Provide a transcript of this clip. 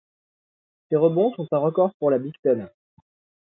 Ses rebonds sont un record pour la Big Ten.